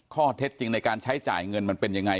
ข้อเท็จจริงในการใช้จ่ายเงินมันเป็นยังไง